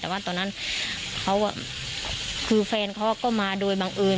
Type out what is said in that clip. แต่ว่าตอนนั้นเขาคือแฟนเขาก็มาโดยบังเอิญ